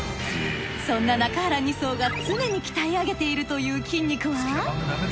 そんな中原２曹が常に鍛え上げているという筋肉は。